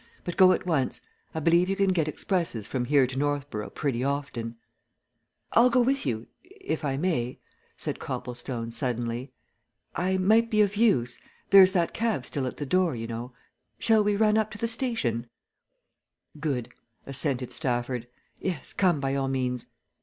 But go at once I believe you can get expresses from here to Northborough pretty often." "I'll go with you if I may," said Copplestone suddenly. "I might be of use. There's that cab still at the door, you know shall we run up to the station?" "Good!" assented Stafford. "Yes, come by all means."